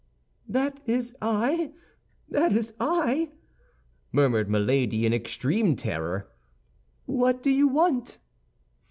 "That is I! that is I!" murmured Milady, in extreme terror; "what do you want?"